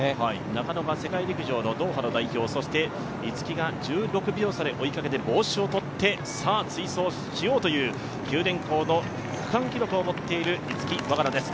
中野は世界陸上ドーハの代表、そして逸木が１６秒差で追いかけて、帽子を取って追走しようという九電工の区間記録を持っている逸木和香菜です。